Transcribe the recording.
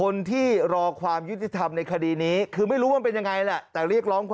นี่ผ่านมาไม่ถึงเดือน